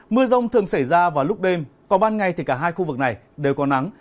mưa rông thường xảy ra vào lúc đêm còn ban ngày thì cả hai khu vực này đều có nắng